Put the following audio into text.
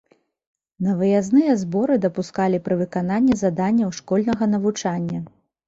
На выязныя зборы дапускалі пры выкананні заданняў школьнага навучання.